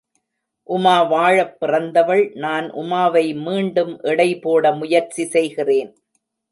உமா வாழப் பிறந்தவள்! நான் உமாவை மீண்டும் எடை போட முயற்சி செய்கிறேன்.